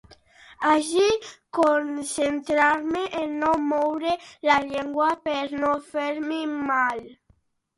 Haig de concentrar-me en no moure la llengua per no fer-m'hi mal